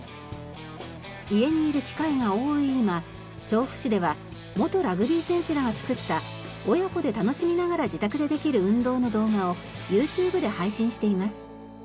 家にいる機会が多い今調布市では元ラグビー選手らが作った親子で楽しみながら自宅でできる運動の動画をＹｏｕＴｕｂｅで配信しています。